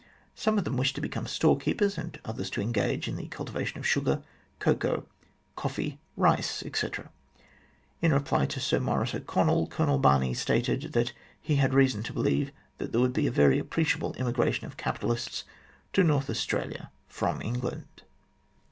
Some of them wished to become store keepers, and others to engage in the cultivation of sugar, cocoa, coffee, rice, etc. In reply to Sir Maurice O'Connell, Colonel Barney stated he had reason to believe that there would be a very appreciable emigration of capitalists to North Australia from England.